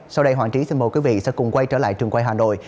sau đây hoàng trí xin mời quý vị sẽ cùng quay trở lại trường quay hà nội